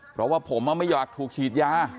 เพราะว่าผมไม่อยากถูกฉีดยา